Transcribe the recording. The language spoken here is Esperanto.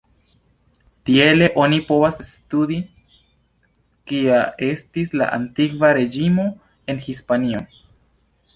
Tiele oni povas studi kia estis la Antikva Reĝimo en Hispanio.